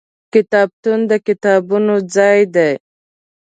کتابتون د کتابونو ځای دی.